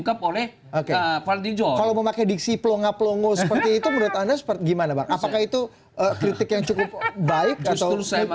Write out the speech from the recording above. kalau memakai diksi plonga plongo seperti itu menurut anda seperti gimana bang apakah itu kritik yang cukup baik atau